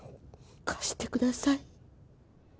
貸してください。